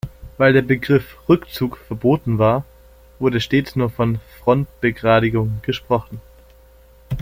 Weil der Begriff Rückzug verboten war, wurde stets nur von Frontbegradigung gesprochen.